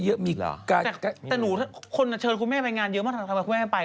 แต่หนูคนเชิญคุณแม่ไปงานเยอะมากทำไมคุณแม่ไม่ไป